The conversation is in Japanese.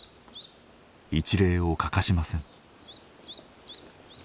一礼を欠かしません。